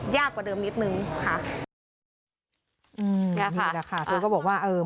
ยากกว่าเดิมนิดนึงค่ะ